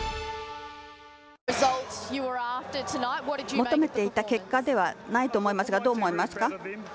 求めていた結果ではないと思いますがどう思いますか？